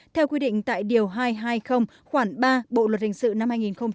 theo quy định tại điều hai trăm hai mươi khoảng ba bộ luật hình sự năm hai nghìn một mươi năm